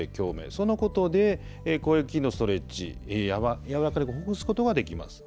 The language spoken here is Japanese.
そのことで声筋のストレッチやわらかくほぐすことができます。